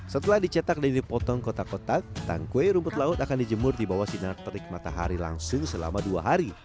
setelah dicetak dan dipotong kotak kotak tangkwe rumput laut akan dijemur di bawah sinar terik matahari langsung selama dua hari